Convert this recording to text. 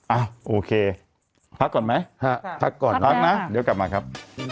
อ่ะโอเคพักก่อนไหมพักนะเดี๋ยวกลับมาครับ